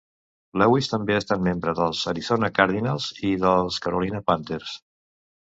Lewis també ha estat membre dels Arizona Cardinals i dels Carolina Panthers.